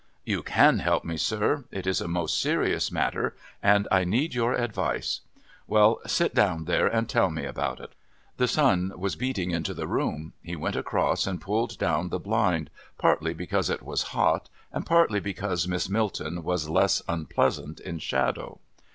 "You can help me, sir. It is a most serious matter, and I need your advice." "Well, sit down there and tell me about it." The sun was beating into the room. He went across and pulled down the blind, partly because it was hot and partly because Miss Milton was less unpleasant in shadow.